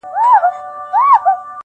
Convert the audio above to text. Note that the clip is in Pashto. • سپيني غوښي يې خوړلي تر سږمو وې -